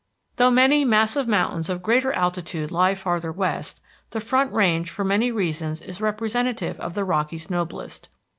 Though many massive mountains of greater altitude lie farther west, the Front Range for many reasons is representative of the Rockies' noblest.